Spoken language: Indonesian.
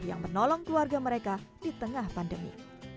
yang menolong keluarga mereka di tengah pandemi